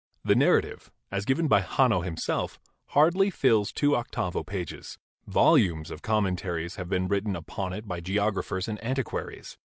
The narrative, as given by Hanno himself, hardly fills two octavo pages; volumes of commentaries have been written upon it by geographers and antiquaries.